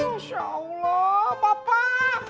masya allah bapak